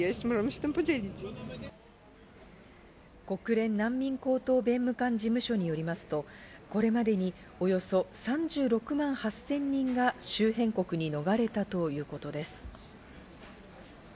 国連難民高等弁務官事務所によりますとこれまでにおよそ３６万８０００人が周辺国に逃れたということです。